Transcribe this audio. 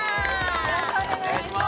よろしくお願いします！